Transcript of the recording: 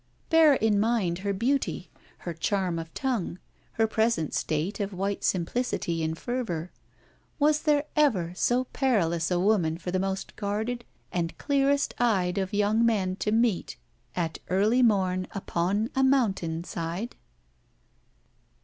Bear in mind her beauty, her charm of tongue, her present state of white simplicity in fervour: was there ever so perilous a woman for the most guarded and clearest eyed of young men to meet at early morn upon a mountain side?